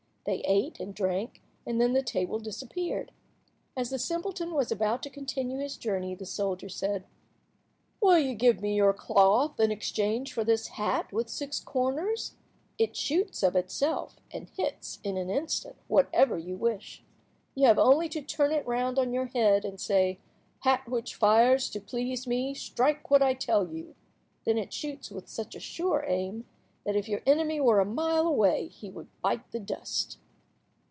They ate and drank, and then the table disappeared. As the simpleton was about to continue his journey, the soldier said— "Will you give me your cloth in exchange for this hat with six corners. It shoots of itself, and hits, in an instant, whatever you wish. You have only to turn it round on your head, and say—'Hat which fires, to please me, strike what I tell you.' Then it shoots with such a sure aim that if your enemy were a mile away he would bite the dust."